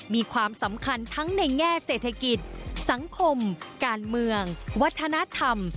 มีความสำคัญทั้งในแง่เศรษฐกิจสังคมการเมืองวัฒนธรรม